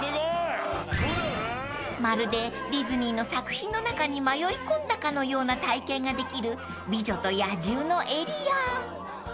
［まるでディズニーの作品の中に迷い込んだかのような体験ができる『美女と野獣』のエリア］